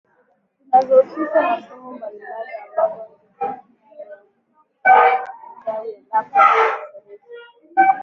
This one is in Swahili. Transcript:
zinazohusishwa na sumu mbalimbali ambazo zipo ndani ya nguvu zao za uchawi endapo watakasirishwa